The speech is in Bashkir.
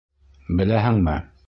Беләһеңме?